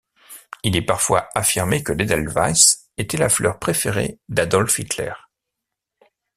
Il est parfois affirmé que l'edelweiss était la fleur préférée d'Adolf Hitler.